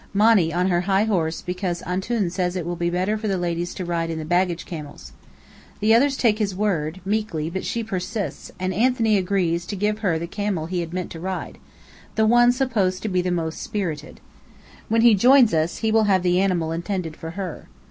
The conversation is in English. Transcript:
Monny on her high horse because "Antoun" says it will be better for the ladies to ride the baggage camels. The others take his word, meekly, but she persists, and Anthony agrees to give her the camel he had meant to ride, the one supposed to be the most spirited. When he joins us, he will have the animal intended for her.